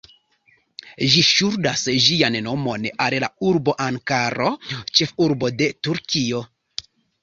Ĝi ŝuldas ĝian nomon al la urbo Ankaro, ĉefurbo de Turkio.